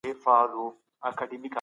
ارام د کار برخه ده.